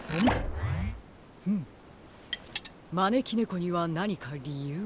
フムまねきねこにはなにかりゆうが？